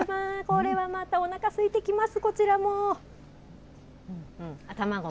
これはまたおなかすいてきます、こちらも。